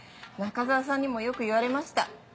中沢さんにもよく言われました。